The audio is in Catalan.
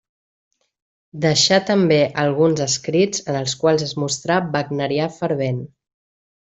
Deixà també alguns escrits en els quals es mostrà wagnerià fervent.